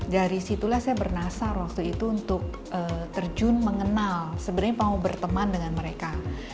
dari situlah saya bernasar waktu itu untuk terjun mengenal sebenarnya mau berteman dengan mereka